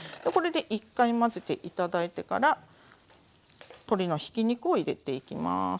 これで１回混ぜて頂いてから鶏のひき肉を入れていきます。